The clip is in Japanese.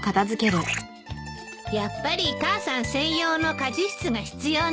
やっぱり母さん専用の家事室が必要ね。